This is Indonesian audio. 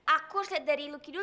aku harus liat dari lucky dulu